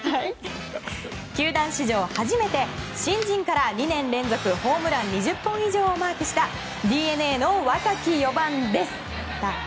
球団史上初めて、新人から２年連続ホームラン２０本以上をマークしたＤｅＮＡの若き４番です。